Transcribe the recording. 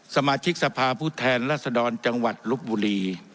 สมาชิกสภาพผู้แทนรัศดรจังหวัดลบบุรี